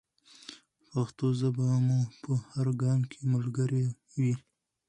پښتو ژبه مو په هر ګام کې ملګرې وي.